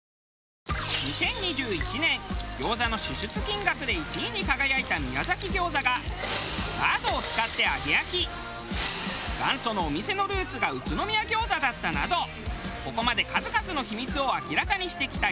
ＪＴ２０２１年餃子の支出金額で１位に輝いた宮崎餃子が「ラードを使って揚げ焼き」「元祖のお店のルーツが宇都宮餃子だった」などここまで数々の秘密を明らかにしてきたＵ字工事。